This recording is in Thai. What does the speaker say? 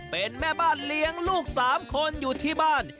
เป็นแม่บ้านเลี้ยงลูก๓คนอยู่ที่บ้าน